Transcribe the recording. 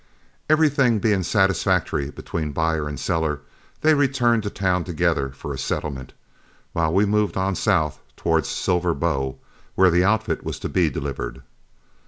Everything being satisfactory between buyer and seller, they returned to town together for a settlement, while we moved on south towards Silver Bow, where the outfit was to be delivered.